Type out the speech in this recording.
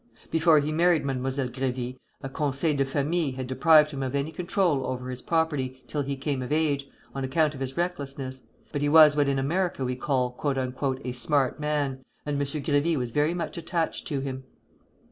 Before he married Mademoiselle Grévy, a conseil de famille had deprived him of any control over his property till he came of age, on account of his recklessness; but he was what in America we call "a smart man," and M. Grévy was very much attached to him.